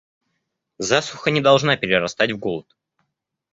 Засуха не должна перерастать в голод.